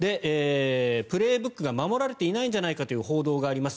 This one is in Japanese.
「プレーブック」が守られていないんじゃないかという報道があります。